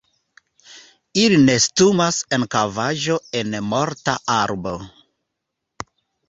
Ili nestumas en kavaĵo en morta arbo.